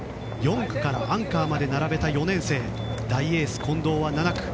４区からアンカーまで並べた４年生大エース近藤は７区。